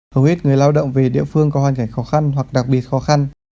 hầu hết người lao động về địa phương có hoàn cảnh khó khăn hoặc đặc biệt khó khăn